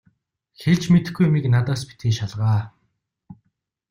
Хэлж мэдэхгүй юмыг надаас битгий шалгаа.